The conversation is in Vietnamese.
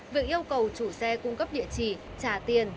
việc yêu cầu chủ xe cung cấp địa chỉ trả tiền